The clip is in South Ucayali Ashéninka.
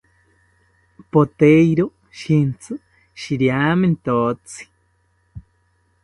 Poteiro shintsi shiriamentotzi